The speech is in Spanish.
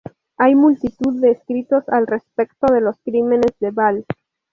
Hay multitud de escritos al respecto de los crímenes de Ball.